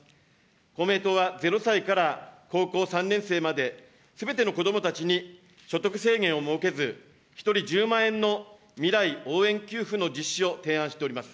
公明党は０歳から高校３年生まで、すべての子どもたちに、所得制限を設けず、１人１０万円の未来応援給付の実施を提案しております。